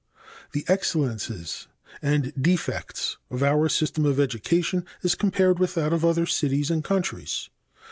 The excellences and defects of our system of education as compared with that of other cities and countries.